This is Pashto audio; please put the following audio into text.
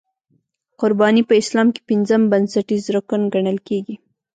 قرباني په اسلام کې پنځم بنسټیز رکن ګڼل کېږي.